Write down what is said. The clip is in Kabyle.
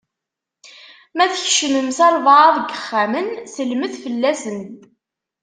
Ma tkecmem s albaɛḍ n yexxamen, sellmet fell-asen.